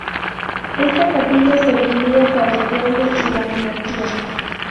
Esta capilla serviría para el pueblo y la Monarquía.